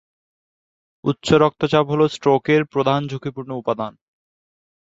উচ্চ রক্তচাপ হলো স্ট্রোকের প্রধান ঝুঁকিপূর্ণ উপাদান।